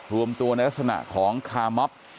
รวมตัวในลักษณะของคาร์มอบ